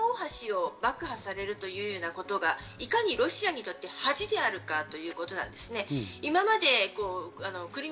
やはりこれはクリミア大橋を爆破されるというようなことがいかにロシアにとって恥であるかということなんですね。